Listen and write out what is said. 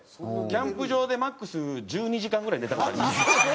キャンプ場でマックス１２時間ぐらい寝た事あります。